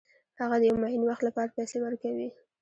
هغه د یو معین وخت لپاره پیسې ورکوي